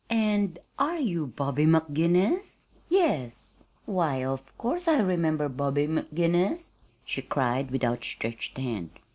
"And are you Bobby McGinnis?" "Yes." "Why, of course I remember Bobby McGinnis," she cried, with outstretched hand.